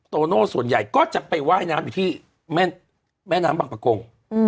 โตโน่ส่วนใหญ่ก็จะไปว่ายน้ำอยู่ที่แม่น้ำบางประกง